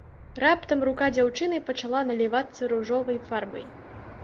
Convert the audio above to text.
Раптам рука дзяўчыны пачала налівацца ружовай фарбай.